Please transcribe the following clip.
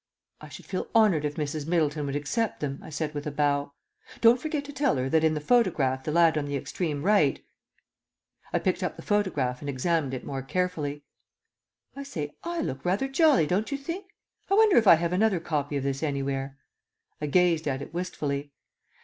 "I should feel honoured if Mrs. Middleton would accept them," I said with a bow. "Don't forget to tell her that in the photograph the lad on the extreme right " I picked up the photograph and examined it more carefully. "I say, I look rather jolly, don't you think? I wonder if I have another copy of this anywhere." I gazed at it wistfully.